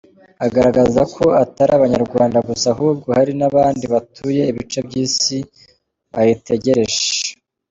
Agaragaza ko atari Abanyarwanda gusa ahubwo hari n’abandi batuye ibice by’isi bayitegereje.